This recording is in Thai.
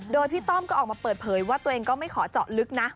โดยพี่ต้อมก็ออกมาเปิดเผยว่าตัวเองก็ไม่ขอเจาะลึกนะ